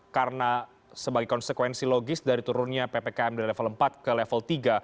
karena sebagai konsekuensi logis dari turunnya ppkm dari level empat ke level tiga